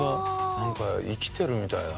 なんか生きてるみたいだな。